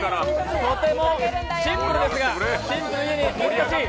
とてもシンプルですが、シンプルゆえに難しい。